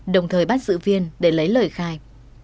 đồng thời bắt giữ viên để lấy lời khai